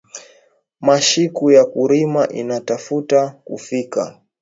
Mashiku ya kurima ina tafuta kufika